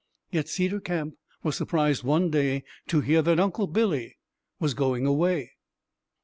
Yet Cedar Camp was surprised one day to hear that Uncle Billy was going away.